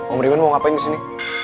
om ringan mau ngapain kesini